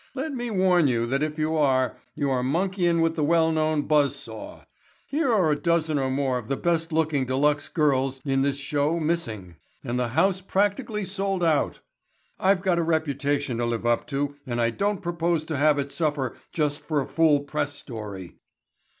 Let me warn you that if you are, you are monkeyin' with the well known buzz saw. Here are a dozen or more of the best looking de luxe girls in this show missing and the house practically sold out. I've got a reputation to live up to and I don't propose to have it suffer just for a fool press story."